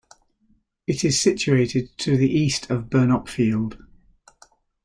It is situated to the east of Burnopfield.